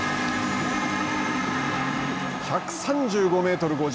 １３５メートル５０。